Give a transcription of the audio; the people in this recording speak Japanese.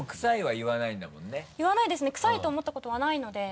言わないですねクサいと思ったことはないので。